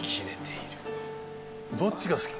どっちが好き？